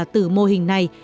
từ mô hình này